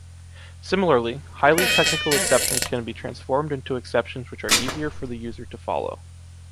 Similarly, highly technical exceptions can be transformed into exceptions which are easier for the user to follow.